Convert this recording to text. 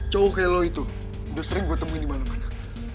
cowok kelo itu udah sering gue temuin di mana mana